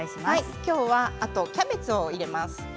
今日はあとキャベツを入れます。